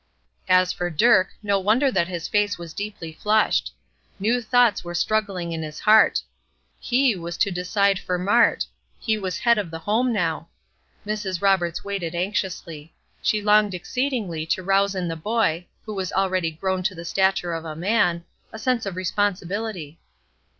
As for Dirk, no wonder that his face was deeply flushed. New thoughts were struggling in his heart. He was to decide for Mart; he was the head of the home now. Mrs. Roberts waited anxiously. She longed exceedingly to rouse in the boy, who was already grown to the stature of a man, a sense of responsibility.